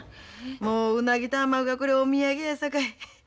もううなぎとアマゴはこれお土産やさかい。